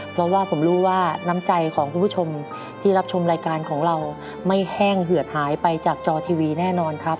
เพราะว่าผมรู้ว่าน้ำใจของคุณผู้ชมที่รับชมรายการของเราไม่แห้งเหือดหายไปจากจอทีวีแน่นอนครับ